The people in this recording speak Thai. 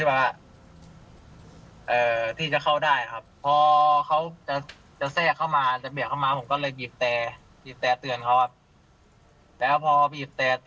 วันนี้น้ำน้ำน้ำอย่างจอดมากของเขา